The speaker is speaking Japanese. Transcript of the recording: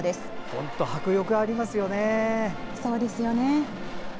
本当、迫力ありますよね。